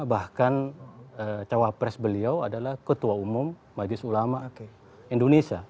bahkan cawapres beliau adalah ketua umum majlis ulama indonesia